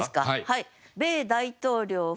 はい。